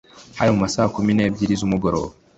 hari mu ma saa kumi n’ebyiri z’umugoroba